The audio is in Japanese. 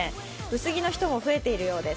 薄着の人も増えているようです。